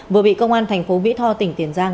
vừa bị công an thành phố mỹ tho tỉnh tiền giang